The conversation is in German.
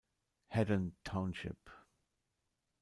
Haddon Township